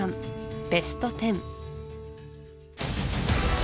ベスト１０